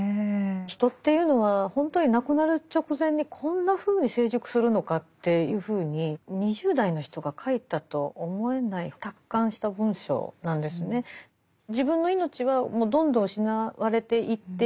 人っていうのは本当に亡くなる直前にこんなふうに成熟するのかっていうふうに２０代の人が書いたと思えない達観した文章なんですね。というのがありましたね。